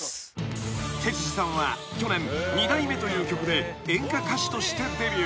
［徹二さんは去年『二代目』という曲で演歌歌手としてデビュー］